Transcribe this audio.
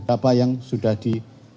dapat yang sudah di